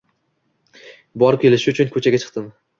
Borib kelish uchun koʻchaga chiqdim.